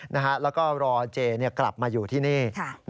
แล้วก็รอเจกลับมาอยู่ที่นี่